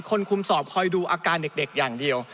คุมสอบคอยดูอาการเด็กอย่างเดียว